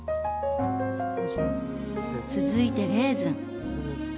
続いてレーズン。